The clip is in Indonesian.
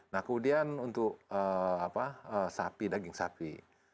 nah kemudian untuk sapi daging sapi